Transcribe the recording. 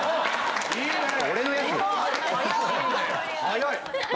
早い！